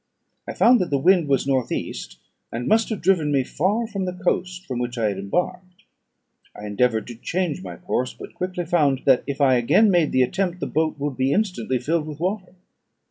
I found that the wind was north east, and must have driven me far from the coast from which I had embarked. I endeavoured to change my course, but quickly found that, if I again made the attempt, the boat would be instantly filled with water.